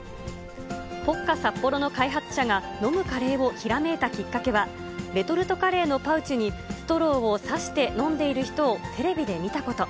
ポッカサッポロの開発者が飲むカレーをひらめいたきっかけは、レトルトカレーのパウチに、ストローをさして飲んでいる人をテレビで見たこと。